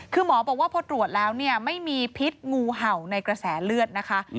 คือหมอบอกว่าพอตรวจแล้วเนี่ยไม่มีพิษงูเห่าในกระแสเลือดนะคะ